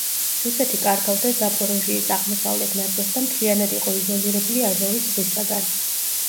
რუსეთი კარგავდა ზაპოროჟიის აღმოსავლეთ ნაწილს და მთლიანად იყო იზოლირებული აზოვის ზღვისაგან.